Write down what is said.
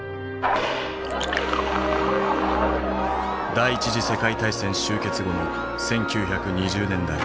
第１次世界大戦終結後の１９２０年代。